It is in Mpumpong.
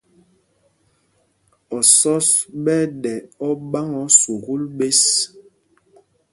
Osɔ́s ɓɛ́ ɛ́ ɗɛ óɓáŋ ō sukûl ɓěs.